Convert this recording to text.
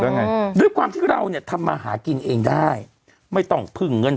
ยังไงด้วยความที่เราเนี่ยทำมาหากินเองได้ไม่ต้องพึ่งเงิน